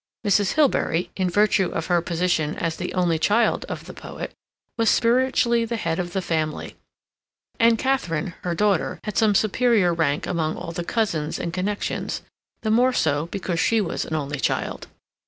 Mrs. Hilbery, in virtue of her position as the only child of the poet, was spiritually the head of the family, and Katharine, her daughter, had some superior rank among all the cousins and connections, the more so because she was an only child.